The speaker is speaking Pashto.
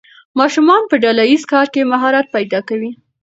ماشومان په ډله ییز کار کې مهارت پیدا کوي.